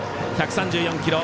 １３４キロ。